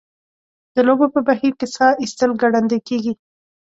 د لوبو په بهیر کې ساه ایستل ګړندۍ کیږي.